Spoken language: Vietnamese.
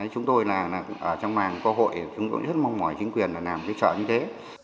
chúng tôi là ở trong màn cơ hội chúng tôi rất mong mỏi chính quyền là làm cái chợ như thế